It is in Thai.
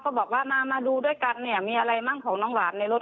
บอกว่ามามาดูด้วยกันเนี่ยมีอะไรมั่งของน้องหวานในรถ